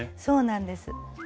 そうなんです。